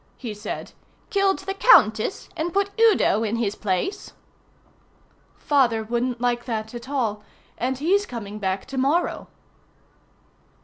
he said. "Killed the Countess and put Udo in his place." "Father wouldn't like that at all, and he's coming back to morrow."